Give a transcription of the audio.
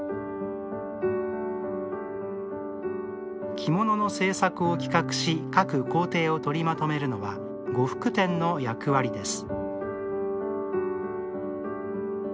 着物の製作を企画し各工程を取りまとめるのは呉服店の役割です